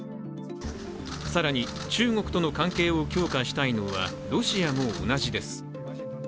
更に中国との関係を強化したいのはロシアも同じです。